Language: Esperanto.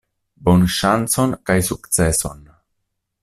Bonŝancon kaj sukceson!